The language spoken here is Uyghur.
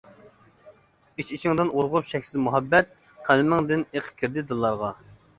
ئىچ-ئىچىڭدىن ئۇرغۇپ شەكسىز مۇھەببەت، قەلىمىڭدىن ئېقىپ كىردى دىللارغا.